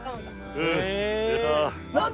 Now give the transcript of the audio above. え。